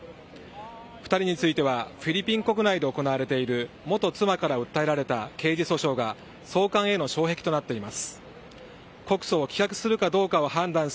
２人については、フィリピン国内で行われている元妻から訴えられた刑事訴訟が送還への障壁となっています。